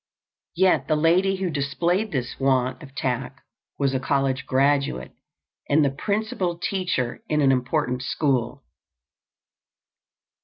Yet the lady who displayed this want of tact was a college graduate and the principal teacher in an important school.